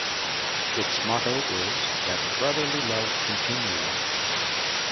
Its motto is "Let Brotherly Love Continue".